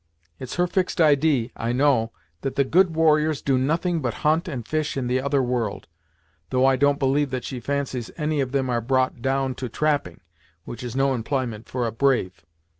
It's her fixed idee, I know, that the good warriors do nothing but hunt and fish in the other world, though I don't believe that she fancies any of them are brought down to trapping, which is no empl'yment for a brave.